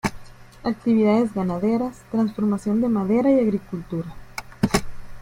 Actividades ganaderas, transformación de madera y agricultura.